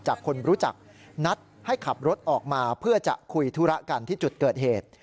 คนรู้จักนัดให้ขับรถออกมาเพื่อจะคุยธุระกันที่จุดเกิดเหตุ